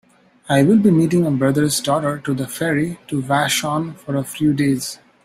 I will be meeting my brother's daughter to take the ferry to Vashon for a few days.